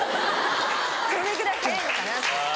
それぐらい速いのかなって。